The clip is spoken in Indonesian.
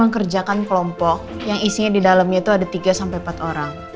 mengerjakan kelompok yang isinya di dalamnya itu ada tiga sampai empat orang